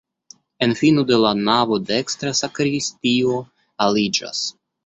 En fino de la navo dekstre sakristio aliĝas.